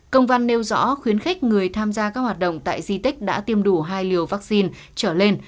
công văn nêu rõ khuyến khích người tham gia các hoạt động tại di tích đã tiêm đủ hai liều vaccine trở lên